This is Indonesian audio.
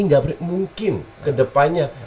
nggak berarti mungkin kedepannya